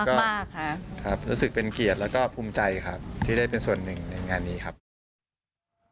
ก็รู้สึกเป็นเกียรติแล้วก็ภูมิใจครับที่ได้เป็นส่วนหนึ่งในงานนี้ครับ